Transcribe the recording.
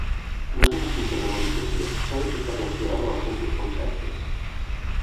No és una simple memorització, s'ha de prestar atenció a la relació entre els conceptes.